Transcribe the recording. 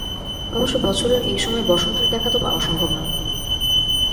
অবশ্য বছরের এই সময় বসন্তের দেখা তো পাওয়া সম্ভব না।